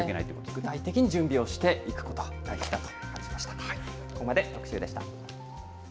具体的に準備をしていくことが大事だと感じました。